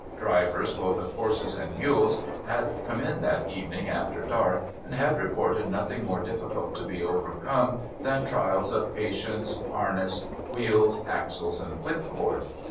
Drivers, both of horses and mules, had come in that evening after dark, and had reported nothing more difficult to be overcome than trials of patience, harness, wheels, axles, and whipcord.